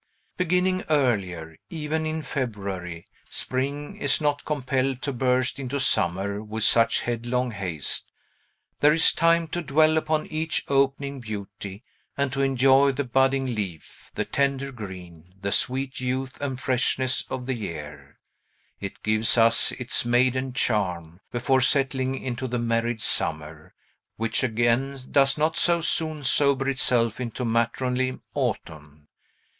Beginning earlier, even in February, Spring is not compelled to burst into Summer with such headlong haste; there is time to dwell upon each opening beauty, and to enjoy the budding leaf, the tender green, the sweet youth and freshness of the year; it gives us its maiden charm, before, settling into the married Summer, which, again, does not so soon sober itself into matronly Autumn.